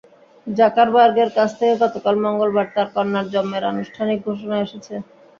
জাকারবার্গের কাছ থেকে গতকাল মঙ্গলবার তাঁর কন্যার জন্মের আনুষ্ঠানিক ঘোষণা এসেছে।